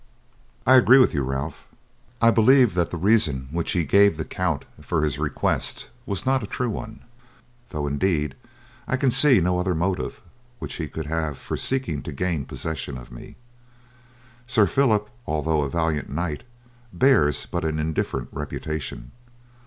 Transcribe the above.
"I agree with you, Ralph. I believe that the reason which he gave the count for his request was not a true one, though, indeed, I can see no other motive which he could have for seeking to gain possession of me. Sir Phillip, although a valiant knight, bears but an indifferent reputation.